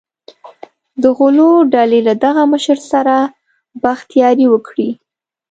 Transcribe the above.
د غلو ډلې له دغه مشر سره بخت یاري وکړي.